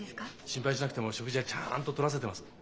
心配しなくても食事はちゃんととらせてます。